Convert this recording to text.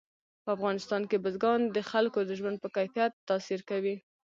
په افغانستان کې بزګان د خلکو د ژوند په کیفیت تاثیر کوي.